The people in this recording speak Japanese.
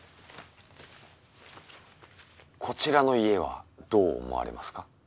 こちらの家はどう思われますか？